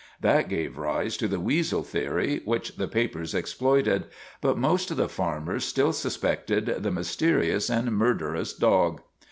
That gave rise to the weasel theory which the papers exploited; but most of the farmers still suspected the mysterious and murderous dog.